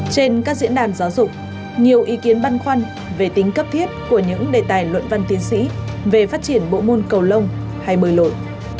trên các diễn đàn giáo dục nhiều ý kiến băn khoăn về tính cấp thiết của những đề tài luận văn tiến sĩ về phát triển bộ môn cầu lông hay mời lội